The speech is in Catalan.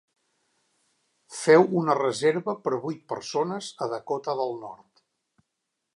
Feu una reserva per a vuit persones a Dakota del Nord.